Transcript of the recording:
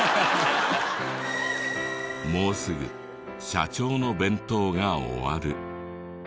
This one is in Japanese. もうすぐ社長の弁当が終わる。